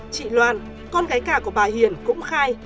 chị loan con gái cả của bà hiền cũng khai